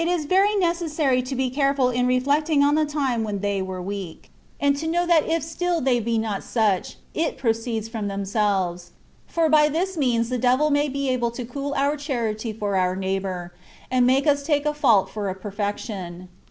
is very necessary to be careful in reflecting on the time when they were weak, and to know that if still they be not such, it pr(jceeds from them selves ; for by this means the digvil may be able to cool our charity for our neighbour, and make us take a fault for a perfection.